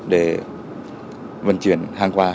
để vận chuyển hàng hóa